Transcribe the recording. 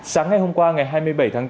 sáng ngày hôm qua ngày hai mươi bảy tháng bốn